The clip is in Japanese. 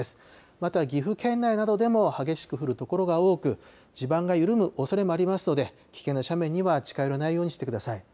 また岐阜県内などでも激しく降る所が多く、地盤が緩むおそれもありますので、危険な斜面には近寄らないようにしてください。